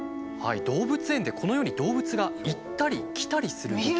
動物園でこのように動物が行ったり来たりする動き。